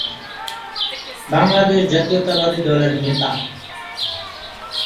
বাংলাদেশ জাতীয়তাবাদী দলের নেতা।